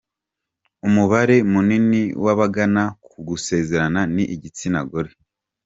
Umubare munini w’abagana uku gusezerana ni igitsina gore.